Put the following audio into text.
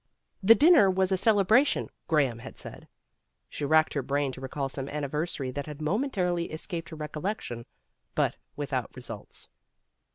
The dinner was a celebration, Graham had said. She racked her brain to recall some anniversary that had momentarily escaped her recollection, but without results.